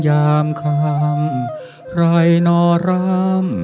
ยามคำไพรนอร้ำ